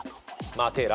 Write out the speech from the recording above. マテーラ！！